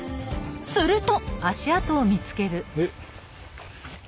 すると！